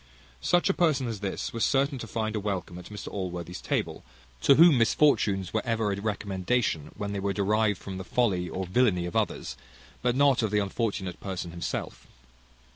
Such a person as this was certain to find a welcome at Mr Allworthy's table, to whom misfortunes were ever a recommendation, when they were derived from the folly or villany of others, and not of the unfortunate person himself.